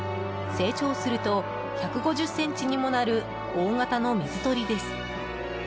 成長すると１５０ｃｍにもなる大型の水鳥です。